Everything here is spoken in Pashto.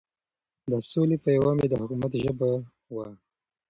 د سولې پيغام يې د حکومت ژبه وه.